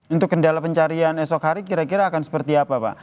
untuk kendala pencarian esok hari kira kira akan seperti apa pak